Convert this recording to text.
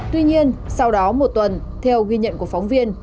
tuy nhiên sau đó một tuần theo ghi nhận của phóng viên